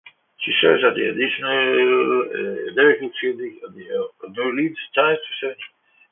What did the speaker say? She served as the editorial critic of the "New Orleans Times" for seven years.